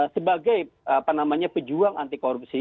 sebagai apa namanya pejuang anti korupsi